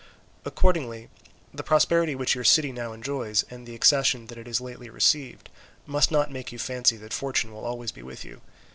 Accordingly, the prosperity which your city now enjoys, and the accession that it has lately received, must not make you fancy that fortune will be always with you.